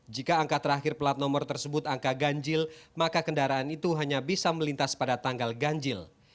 jika angka terakhir plat nomor tersebut angka ganjil maka kendaraan itu hanya bisa melintas pada tanggal ganjil